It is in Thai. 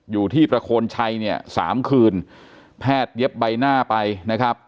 อยู่ที่ประโคนชัยเนี่ยสามคืนแพทย์เย็บใบหน้าไปนะครับ